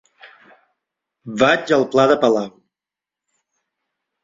Vaig al pla de Palau.